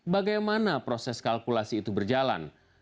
bagaimana proses kalkulasi itu berjalan